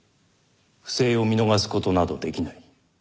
不正を見逃す事など出来ない。